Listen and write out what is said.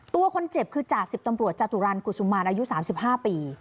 ตัวคนเจ็บคือจ่าสิบตำรวจจตุรันกุศุมารอายุ๓๕ปี